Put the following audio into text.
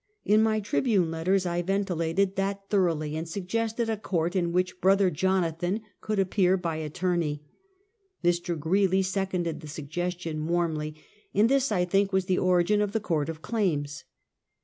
In my Tribune letters, I ventilated that thoroughly, and sug gested a court, in which Brother Jonathan could ap pear by attorney. Mr. Greeley seconded the sugges tion warmly, and this, I think, was the origin of the Court of Claims.